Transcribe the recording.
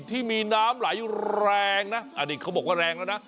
ที่มีน้ำไหลแรงนะอันนี้เขาบอกว่าแรงแล้วนะ